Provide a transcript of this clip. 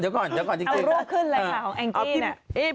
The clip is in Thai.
แล้วอัทำกินอย่าอย่า